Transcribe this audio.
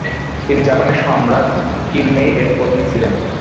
তিনি জাপানের সম্রাট কিনমেই এর পত্নী ছিলেন।